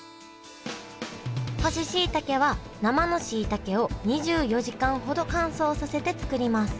干ししいたけは生のしいたけを２４時間ほど乾燥させて作ります